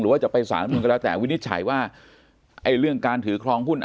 ว่าจะไปสารรัฐมนุนก็แล้วแต่วินิจฉัยว่าไอ้เรื่องการถือครองหุ้น